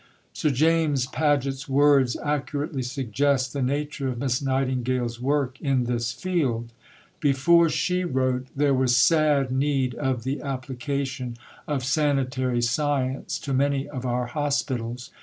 383. Sir James Paget's words accurately suggest the nature of Miss Nightingale's work in this field. Before she wrote, there was sad need of the application of sanitary science to many of our hospitals.